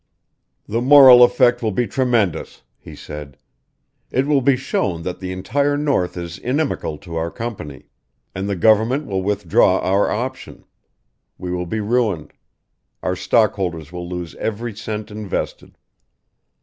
"The moral effect will be tremendous," he said. "It will be shown that the entire north is inimical to our company, and the government will withdraw our option. We will be ruined. Our stockholders will lose every cent invested."